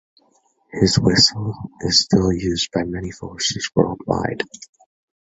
His whistle is still used by many forces worldwide.